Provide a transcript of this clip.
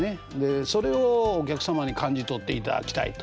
それをお客様に感じ取っていただきたいと。